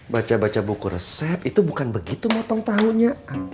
baca baca buku resep itu bukan begitu motong tahunya